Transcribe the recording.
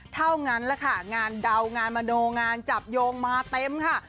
เท่านั้นแหละค่ะงานเดางานมโนงานจับโยงมาเต็มค่ะ